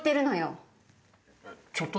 ちょっと。